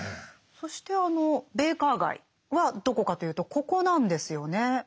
そしてあのベイカー街はどこかというとここなんですよね。